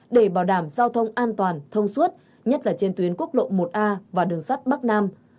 để bảo đảm giao thông an toàn thông suốt nhất là trên tuyến quốc lộ một a và đường sắt bắc nam